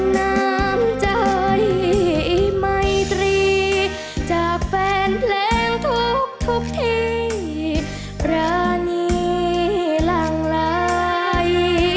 น้ำใจไมตรีจากแฟนเพลงทุกที่ปรานีหลั่งไหล